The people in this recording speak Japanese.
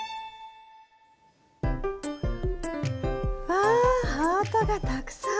わぁハートがたくさん！